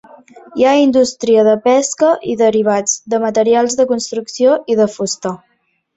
Hi ha indústria de pesca i derivats, de materials de construcció i de fusta.